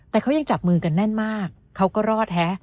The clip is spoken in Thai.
แต่เขายังจับมือกันแน่นมากเขาก็รอดฮะ